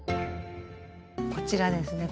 こちらですね